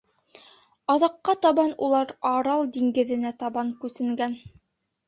Аҙаҡҡа табан улар Арал диңгеҙенә табан күсенгән.